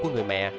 của người mẹ